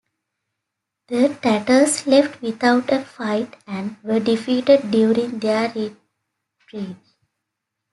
The Tatars left without a fight and were defeated during their retreat.